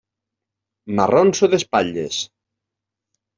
M'arronso d'espatlles.